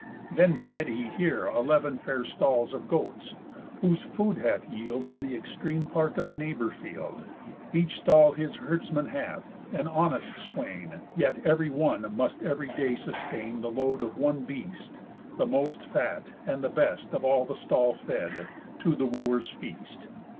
Then fed he here Eleven fair stalls of goats, whose food hath yield In the extreme part of a neighbour field. Each stall his herdsman hath, an honest swain, Yet ev'ry one must ev'ry day sustain The load of one beast (the most fat, and best Of all the stall fed) to the Wooers' feast.